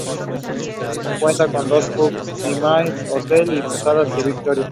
Cuenta con dos pubs: Ty Mawr Hotel y la Posada The Victoria.